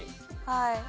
はい。